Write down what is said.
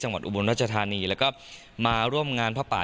จังหวัดอุบรรยาชรภารีแล้วก็มาร่วมงานพระป่า